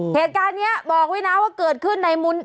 เหตุการณ์นี้บอกไว้นะว่าเกิดขึ้นในมุน